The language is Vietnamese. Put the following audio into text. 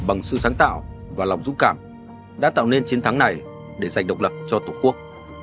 bằng sự sáng tạo và lòng dũng cảm đã tạo nên chiến thắng này để giành độc lập cho tổ quốc